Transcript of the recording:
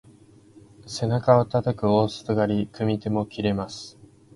背中をたたく大外刈り、組み手も切れます。